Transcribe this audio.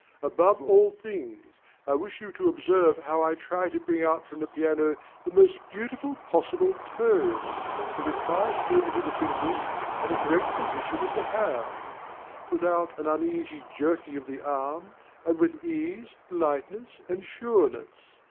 Above all things, I wish you to observe how I try to bring out from the piano the most beautiful possible tone, with a quiet movement of the fingers and a correct position of the hand; without an uneasy jerking of the arm, and with ease, lightness, and sureness.